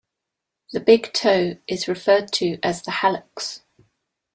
The big toe is referred to as the hallux.